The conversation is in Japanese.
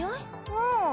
うん。